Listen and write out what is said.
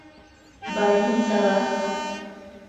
Больницала.